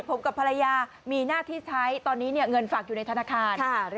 ผมกับภรรยามีหน้าที่ใช้ตอนนี้เงินฝากอยู่ในธนาคาร